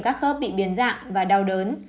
các khớp bị biến dạng và đau đớn